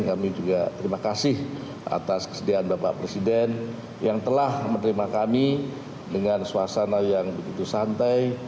kami juga terima kasih atas kesediaan bapak presiden yang telah menerima kami dengan suasana yang begitu santai